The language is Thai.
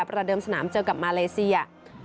ประเดิมสนามเจอกับมาเลเซีย